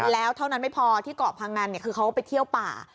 แล้วเท่านั้นไม่พอที่เกาะพังอันคือเขาไปเที่ยวป่า